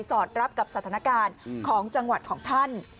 อดรับกับสถานการณ์ของจังหวัดของท่าน